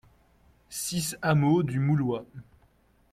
six hameau du Moulois